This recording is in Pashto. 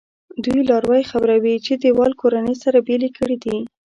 دوی لاروی خبروي چې دیوال کورنۍ سره بېلې کړي دي.